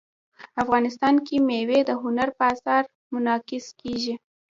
افغانستان کې مېوې د هنر په اثار کې منعکس کېږي.